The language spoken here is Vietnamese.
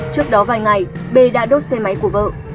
trước đó vài ngày b đã đốt xe máy của vợ